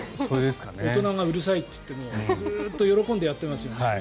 大人がうるさいといってもずっと喜んでやってますよね。